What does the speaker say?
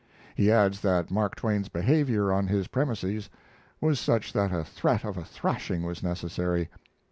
He adds that Mark Twain's behavior on his premises was such that a threat of a thrashing was necessary.